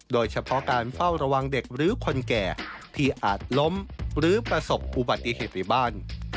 โดยเฉพาะการเฝ้าระวังเด็กหรือคนแก่ที่อาจล้มหรือประสบอุบัติเหตุในบ้าน